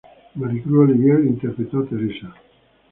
Maricruz Olivier interpretó a "Teresa".